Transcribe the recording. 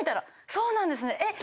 そうなんですねえっ？